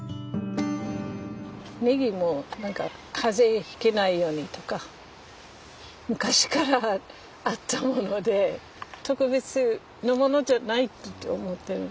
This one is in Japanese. ネギも風邪ひけないようにとか昔からあったもので特別のものじゃないと思ってる。